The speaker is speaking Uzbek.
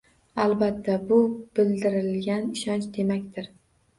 – Albatta. Bu bildirilgan ishonch demakdir.